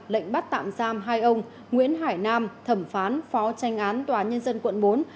lệnh bắt tạm giam hai ông nguyễn hải nam thẩm phán phó tranh án tòa nhân dân quận bốn